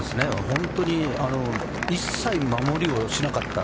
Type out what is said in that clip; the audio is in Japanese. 本当に一切、守りをしなかった。